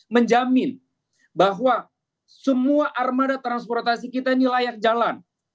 menjamin bahwa semua armada transportasi kita ini layak jalan